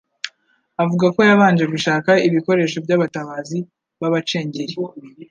avuga ko yabanje gushaka ibikoresho by'abatabazi b'Abacengeri.